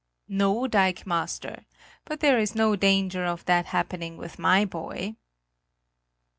"No, dikemaster; but there is no danger of that happening with my boy."